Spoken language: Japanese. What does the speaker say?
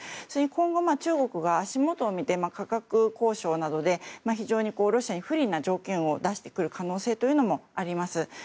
それに今後、中国が足元を見て価格交渉などで非常にロシアに不利な条件を出してくる可能性というのもあります。